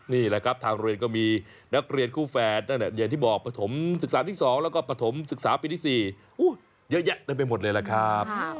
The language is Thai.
นี่แหละครับทางโรงเรียนก็มีนักเรียนคู่แฝดที่บอกประถมศึกษาที่๒แล้วก็ประถมศึกษาปีที่๔เยอะแยะได้ไปหมดเลยแหละครับ